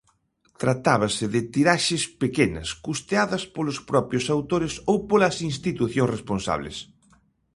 Tratábase de tiraxes pequenas, custeadas polos propios autores ou polas institucións responsables.